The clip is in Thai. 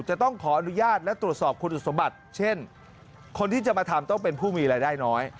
จะต้องขออนุญาตและตรวจสอบคุณสมบัติเช่นคนที่จะมาทำต้องเป็นผู้มีรายได้น้อย